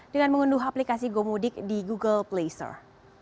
dengan mengunduh aplikasi gomudik di google play store